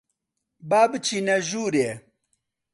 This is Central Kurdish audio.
با بچینە ژوورێ.